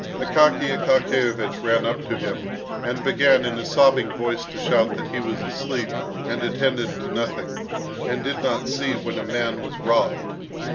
Akaky Akakiyevich ran up to him, and began in a sobbing voice to shout that he was asleep, and attended to nothing, and did not see when a man was robbed.